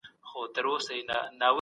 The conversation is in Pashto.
تشې وعدې انسان غولوي.